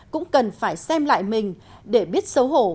cũng cần phải xem lại mình để biết xấu hổ